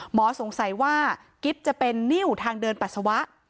สงสัยว่ากิ๊บจะเป็นนิ้วทางเดินปัสสาวะ